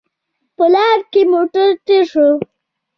په لاره کې موټر تېر شو